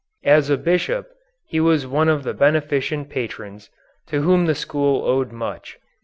As a bishop he was one of the beneficent patrons, to whom the school owed much.